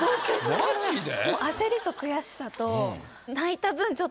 マジで？